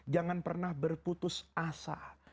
jangan pernah berputus asa